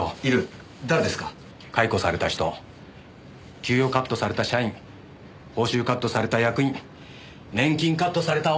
解雇された人給与カットされた社員報酬カットされた役員年金カットされたＯＢ。